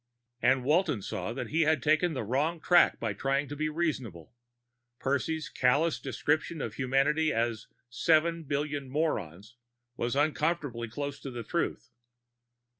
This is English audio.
And Walton saw that he had taken the wrong track by trying to be reasonable. Percy's callous description of humanity as "seven billion morons" was uncomfortably close to the truth.